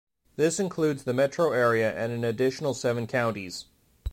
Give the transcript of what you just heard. This includes the metro area and an additional seven counties.